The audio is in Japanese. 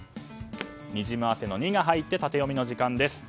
にじむ汗の「ニ」が入ってタテヨミの時間です。